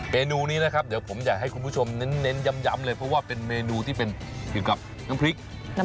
เมนูนี้นะครับเดี๋ยวผมอยากให้คุณผู้ชมเน้นย้ำเลยเพราะว่าเป็นเมนูที่เป็นเกี่ยวกับน้ำพริก